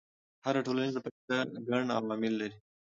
هره ټولنیزه پدیده ګڼ عوامل لري.